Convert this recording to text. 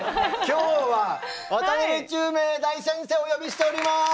今日は渡辺宙明大先生をお呼びしております！